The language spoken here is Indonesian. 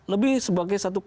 lebih sebagai satu